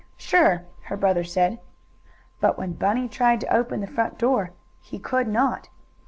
"Sure!" her brother said. But when Bunny tried to open the front door he could not.